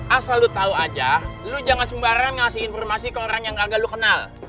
ah selalu lu tahu aja lu jangan sembarangan ngasih informasi ke orang yang agak lu kenal